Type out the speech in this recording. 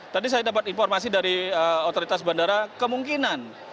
tadi saya dapat informasi dari otoritas bandara kemungkinan